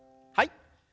はい。